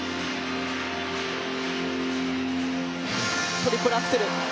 トリプルアクセル。